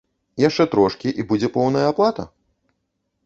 Яшчэ трошкі, і будзе поўная аплата?